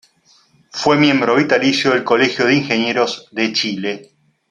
Fue miembro vitalicio del Colegio de Ingenieros de Chile.